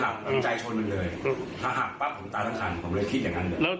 ใช่ผมจะไม่หักใจชนมันเลยถ้าหักปั๊บผมตายทั้งคัน